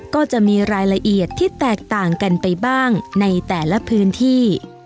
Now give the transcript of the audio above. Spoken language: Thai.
ก็จะมีรายละเอียดที่แตกต่างกันไปบ้างในแต่ละพื้นที่